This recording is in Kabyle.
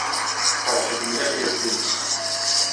Iqerreḥ-it mliḥ yiɣef-nnes.